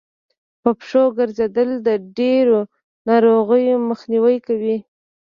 په پښو ګرځېدل د ډېرو ناروغيو مخنیوی کوي